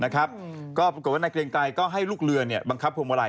ปรากฏว่านายเกลียงตายก็ให้ลูกเรือบังคับหัวมาลัย